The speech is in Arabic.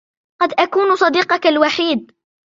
قد أكون صديقك الوحيد.